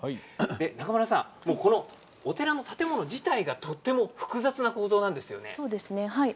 中村さん、このお寺の建物自体がとても複雑な構造なんですよね。